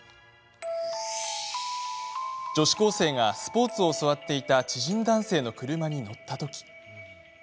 女子高生がスポーツを教わっていた知人男性の車に乗った時。